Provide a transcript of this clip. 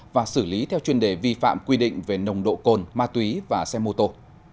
và xử lý theo chuyên đề vi phạm quy định về nồng độ cồn ma túy và xe mô tô